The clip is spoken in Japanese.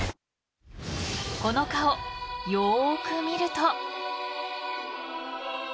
［この顔よく見ると］